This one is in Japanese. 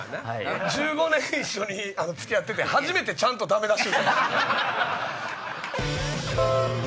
１５年一緒に付き合ってて初めてちゃんとダメ出し。